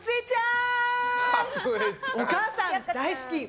お母さん大好き！